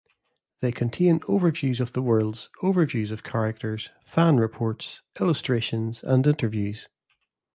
They contain overviews of the worlds, overviews of characters, fan reports, illustrations, and interviews.